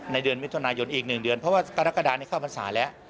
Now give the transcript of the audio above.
เดือนมิถุนายนอีก๑เดือนเพราะว่ากรกฎานี้เข้าพรรษาแล้ว